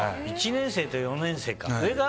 １年生と４年生か。